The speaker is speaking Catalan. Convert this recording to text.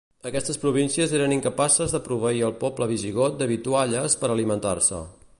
Aquestes províncies eren incapaces de proveir al poble visigot de vitualles per alimentar-se.